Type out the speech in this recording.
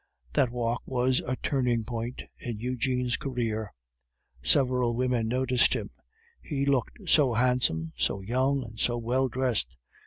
That walk was a turning point in Eugene's career. Several women noticed him; he looked so handsome, so young, and so well dressed.